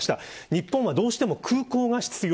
日本はどうしても空港が必要。